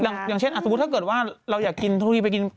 อย่างเช่นถ้าสมมุติเราอยากกินทุกวันไปกิน